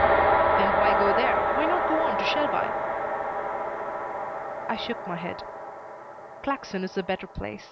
"Then why go there? Why not go on to Shelby?" I shook my head. "Claxon is the better place.